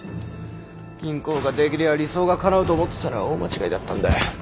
銀行が出来りゃ理想がかなうと思ってたのは大間違いだったんだ！